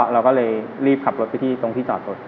เราก็เลยรีบขับรถที่จอดรถ